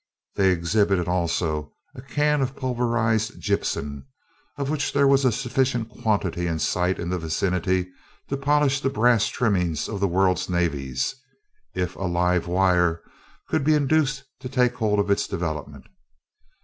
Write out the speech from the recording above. They exhibited also a can of pulverized gypsum, of which there was a sufficient quantity in sight in the vicinity to polish the brass trimmings of the world's navies, if a "live wire" could be induced to take hold of its development.